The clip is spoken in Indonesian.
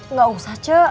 nggak usah c